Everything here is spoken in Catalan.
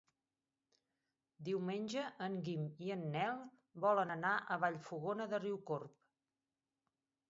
Diumenge en Guim i en Nel volen anar a Vallfogona de Riucorb.